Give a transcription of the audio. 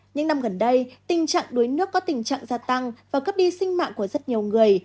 những năm gần đây tình trạng đuối nước có tình trạng gia tăng và cướp đi sinh mạng của rất nhiều người